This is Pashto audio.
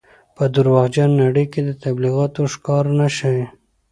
په درواغجنې نړۍ کې د تبلیغاتو ښکار نه شئ.